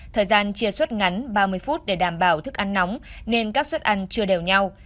thời gian chia suất ngắn ba mươi phút để đảm bảo thức ăn nóng nên các suất ăn chưa đều nhau